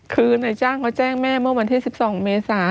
คือนายจ้างเขาแจ้งแม่เมื่อวันที่๑๒เมษา